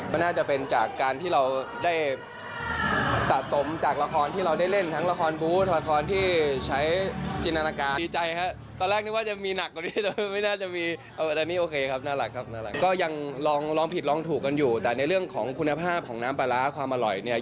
แล้วก็การันตีว่าปาราแซ่บพ่อค้าก็แซ่บกว่าปาราอีก